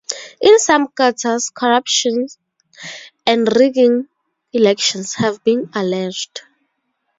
In some quarters corruption and rigging elections have been alleged.